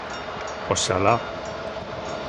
Oxalá.